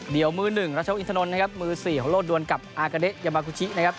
เดี๋ยวมือหนึ่งรัชโน้นนะครับมือสี่ของโลธดวนกับยามากูชินะครับ